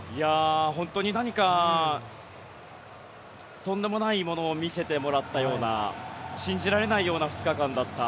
本当に何かとんでもないものを見せてもらったような信じられないような２日間だった。